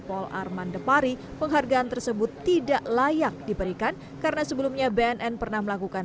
paul armandepari penghargaan tersebut tidak layak diberikan karena sebelumnya bnn pernah melakukan